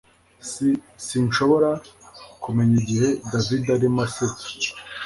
S Sinshobora kumenya igihe David arimo asetsa